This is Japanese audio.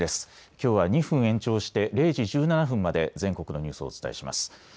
きょうは２分延長して０時１７分まで全国のニュースをお伝えします。